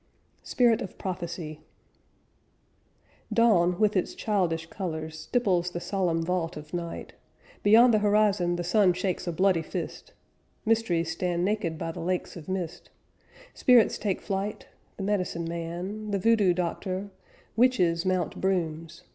Spirit of Prophecy "Dawn with its childish colors Stipples the solemn vault of night; Behind the horizon the sun shakes a bloody fist; Mysteries stand naked by the lakes of mist; Spirits take flight, The medicine man, The voodoo doctor Witches mount brooms.